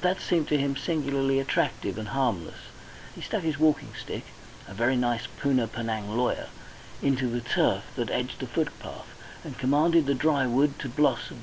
That seemed to him singularly attractive and harmless. He stuck his walking stick a very nice Poona Penang lawyer into the turf that edged the footpath, and commanded the dry wood to blossom.